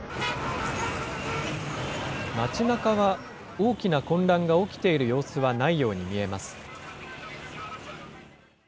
街なかは大きな混乱が起きている様子はないように見えます。